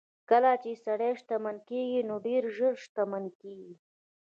کله چې سړی شتمن کېږي نو ډېر ژر شتمن کېږي.